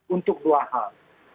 untuk dua hal